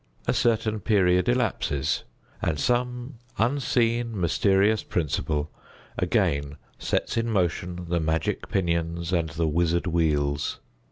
A certain period elapses, and some unseen mysterious principle again sets in motion the magic pinions and the wizard wheels.